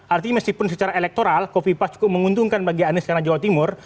artinya meskipun secara elektoral kofifa cukup menguntungkan bagi anies karena jawa timur